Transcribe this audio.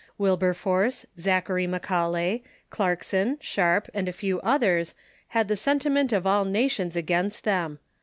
Wilberforce, Zachary Macaulay, Clark son, Sharpe, and a few others had the sentiment of all nations ao ainst tliem.